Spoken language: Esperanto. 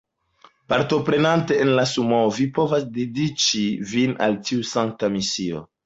Partoprenante en la Sumoo, vi povas dediĉi vin al tiu sankta misio.